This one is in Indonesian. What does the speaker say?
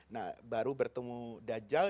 nah baru bertemu dajjal